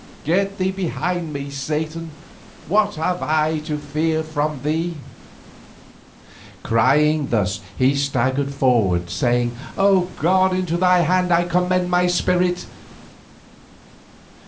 Get thee behind me, Satan, what have I to fear from thee?" Crying thus he staggered forward saying, "O God, into Thy hand I commend my spirit!"